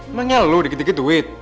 emangnya loh dikit dikit duit